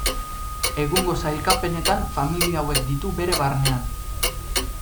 Egungo sailkapenetan familia hauek ditu bere barnean.